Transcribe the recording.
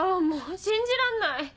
もう信じらんない！